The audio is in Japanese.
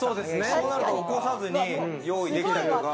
相手を起こさずに用意できたりとか。